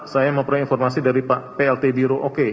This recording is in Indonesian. saya memperoleh informasi dari pak plt diro oke